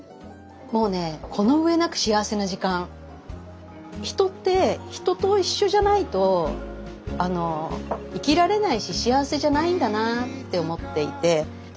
もうね人って人と一緒じゃないと生きられないし幸せじゃないんだなって思っていてで